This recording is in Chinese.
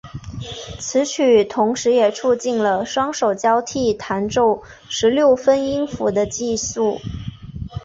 此曲同时也促进了双手交替弹奏十六分音符的技术。